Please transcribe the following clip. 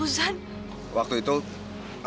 saya star didakwa